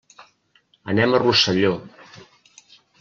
Anem a Rosselló.